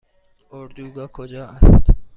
اردوگاه کجا است؟